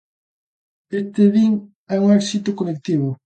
Este din é un éxito colectivo.